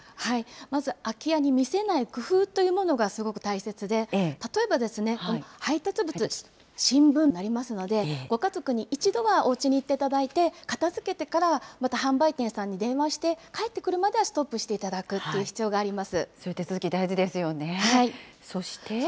まず、空き家に見せない工夫というものがすごく大切で、例えば配達物、新聞とかあとそういった牛乳とか郵便物、そういったものがたまっていると留守だってアピールするようなことになりますので、ご家族に一度はおうちに行っていただいて、片づけてから、また販売店さんに電話して、帰ってくるまではストップしていただくという必要があります。